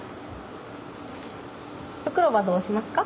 袋はどうしますか？